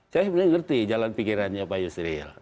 saya sebenarnya ngerti jalan pikirannya pak yusril